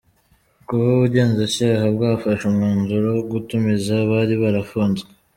Kuba ubugenzacyaha bwafashe umwanzuro wo gutumiza abari barafunzwe